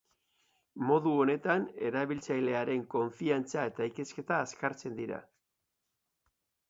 Modu honetan erabiltzailearen konfiantza eta ikasketa azkartzen dira.